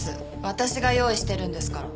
私が用意してるんですから。